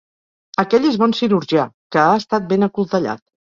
Aquell és bon cirurgià, que ha estat ben acoltellat.